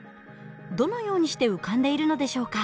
どのようにして浮かんでいるのでしょうか？